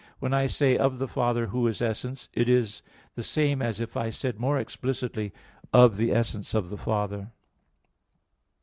xv, 13): "When I say of the Father Who is essence, it is the same as if I said more explicitly, of the essence of the Father."